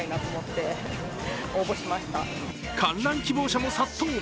観覧希望者も殺到。